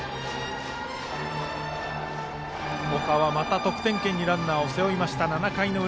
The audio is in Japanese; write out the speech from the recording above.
岡はまた７回裏得点圏にランナーを背負いました。